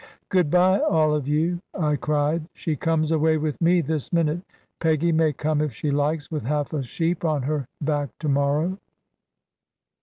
"Good bye all of you," I cried: "she comes away with me this minute. Peggy may come, if she likes, with half a sheep on her back to morrow."